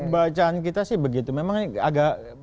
bacaan kita sih begitu memang agak